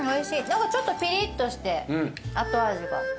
何かちょっとピリッとして後味が。